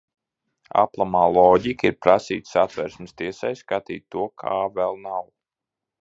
Aplamā loģika ir prasīt Satversmes tiesai skatīt to, kā vēl nav.